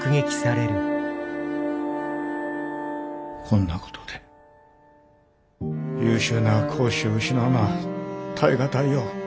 こんなことで優秀な講師を失うのは耐え難いよ。